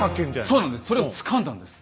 そうなんですそれをつかんだんです！